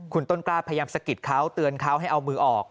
คุณต้นกล้าพยายามสะกิดเขาเตือนเขาให้เอามือออก